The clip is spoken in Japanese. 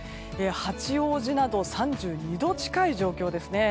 八王子など３２度近い状況ですね。